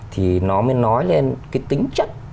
thì nó mới nói lên cái tính chất